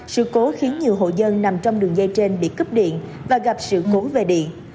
sự cố khiến nhiều hộ dân nằm trong đường dây trên bị cấp điện và gặp sự cố về điện